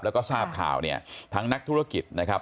แล้วก็ทราบข่าวเนี่ยทั้งนักธุรกิจนะครับ